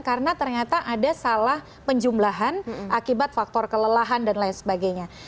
karena ternyata ada salah penjumlahan akibat faktor kelelahan dan lain sebagainya